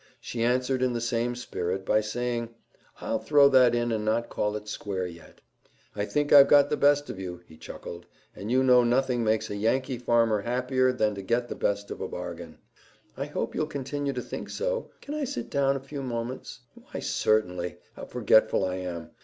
She answered in the same spirit by saying, "I'll throw that in and not call it square yet." "I think I've got the best of you," he chuckled; "and you know nothing makes a Yankee farmer happier than to get the best of a bargain." "I hope you'll continue to think so. Can I sit down a few moments?" "Why, certainly! How forgetful I am!